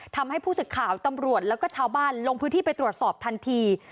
ทำให้ผู้สึกข่าวตำรวจแล้วก็ชาวบ้านลงพื้นที่ไปตรวจสอบทันที